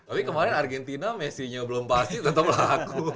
tapi kemarin argentina messi nya belum pasti tetep laku